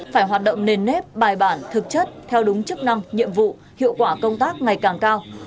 phải hoạt động nền nếp bài bản thực chất theo đúng chức năng nhiệm vụ hiệu quả công tác ngày càng cao